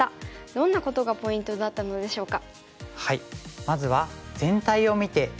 どんなことがポイントだったのでしょうか。